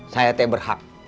saya teh berhak